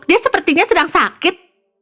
dia sepertinya sedang sakit